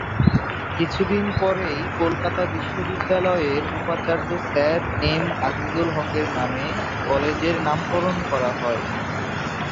কিছুদিন পরেই কলকাতা বিশ্ববিদ্যালয়ের উপাচার্য স্যার এম. আযিযুল হকের নামে কলেজের নামকরণ করা হয়।